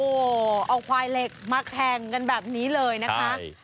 โอ้โหเอาควายเหล็กมาแข่งกันแบบนี้เลยนะคะ